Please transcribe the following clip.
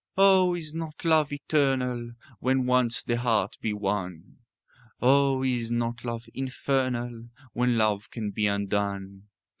"Oh, is not love eternal When once the heart be won? Oh, is not love infernal When love can be undone?"